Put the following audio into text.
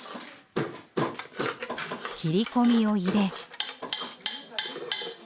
切り込みを入れ。